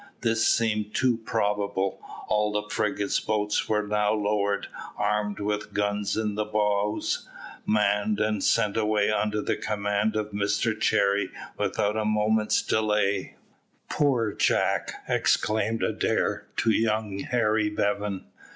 This seemed too probable. All the frigate's boats were now lowered, armed with guns in the bows, manned, and sent away under the command of Mr Cherry, without a moment's delay. "Poor Jack!" exclaimed Adair to young Harry Bevan.